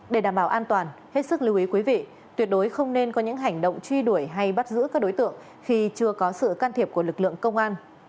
để đảm bảo an toàn hết sức lưu ý quý vị tuyệt đối không nên có những hành động truy đuổi hay bắt giữ các đối tượng khi chưa có sự can thiệp của lực lượng công an